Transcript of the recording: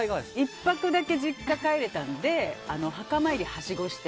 １泊だけ実家に帰れたので墓参りをはしごして。